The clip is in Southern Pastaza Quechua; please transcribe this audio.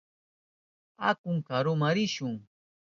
Aku karuma rishun.